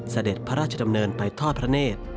เสด็จพระราชดำเนินไปทอดพระเนธ